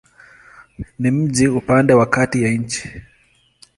Ni mji upande wa kati ya nchi.